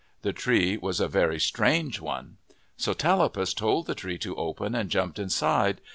The tree was a very strange one. So Tallapus told the tree to open, and jumped inside.